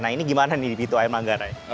nah ini gimana nih di pintu air manggare